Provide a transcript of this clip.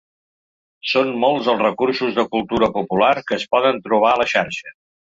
Són molts els recursos de cultura popular que es poden trobar a la xarxa.